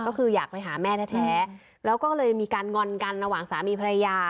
ก็คืออยากไปหาแม่แท้แล้วก็เลยมีการงอนกันระหว่างสามีภรรยา